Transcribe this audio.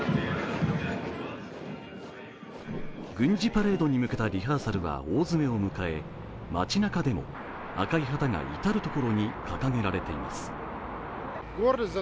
軍事パレードに向けたリハーサルは大詰めを迎え街なかでも赤い旗が至る所に掲げられています。